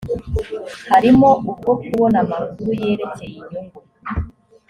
harimo ubwo kubona amakuru yerekeye inyungu